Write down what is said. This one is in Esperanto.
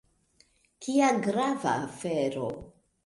Kia grava afero!